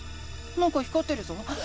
なんか光ってるぞ。